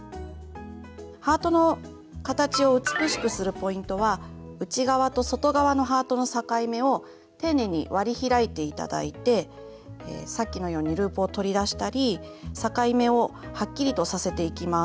ハートの形を美しくするポイントは内側と外側のハートの境目を丁寧に割り開いて頂いてさっきのようにループを取り出したり境目をはっきりとさせていきます。